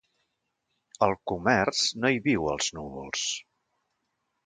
El comerç no hi viu als núvols.